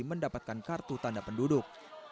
mendapatkan kartu tanda penduduk